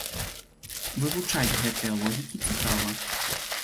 Вывучаць гэтыя логікі цікава.